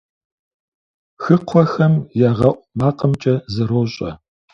Хыкхъуэхэм ягъэӏу макъымкӏэ зэрощӏэ.